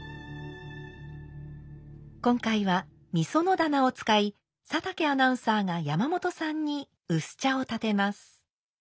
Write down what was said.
今回は「御園棚」を使い佐竹アナウンサーが山本さんに薄茶を点てます。